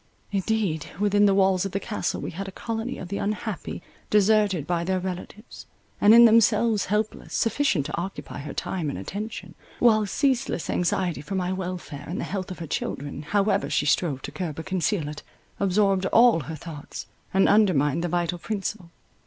Indeed, within the walls of the Castle we had a colony of the unhappy, deserted by their relatives, and in themselves helpless, sufficient to occupy her time and attention, while ceaseless anxiety for my welfare and the health of her children, however she strove to curb or conceal it, absorbed all her thoughts, and undermined the vital principle.